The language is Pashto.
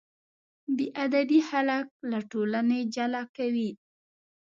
بېادبي خلک له ټولنې جلا کوي.